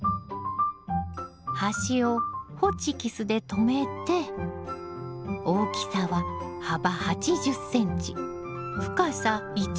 端をホチキスで留めて大きさは幅８０ｃｍ深さ１ｍ。